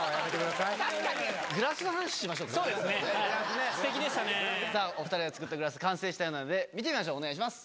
さぁお２人が作ったグラス完成したようなので見てみましょうお願いします。